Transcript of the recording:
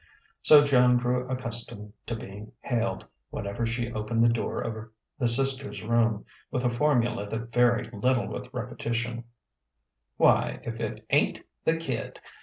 So Joan grew accustomed to being hailed, whenever she opened the door of the sisters' room, with a formula that varied little with repetition: "Why, if it ain't the kid!